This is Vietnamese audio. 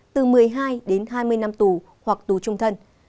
từ một mươi hai đến hai mươi năm tù hoặc tù trung thân